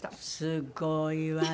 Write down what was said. すごいわね！